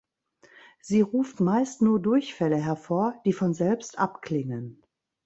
Sie ruft meist nur Durchfälle hervor, die von selbst abklingen.